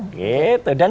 dan menduga kan